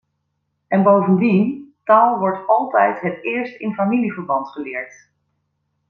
En bovendien, taal wordt altijd het eerst in familieverband geleerd.